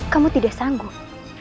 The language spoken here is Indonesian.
kamu tidak sanggup